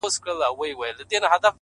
سیاه پوسي ده، ماسوم یې ژاړي،